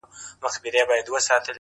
پوهه د غوره راتلونکي رڼا ده.!